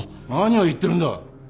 何を言ってるんだ。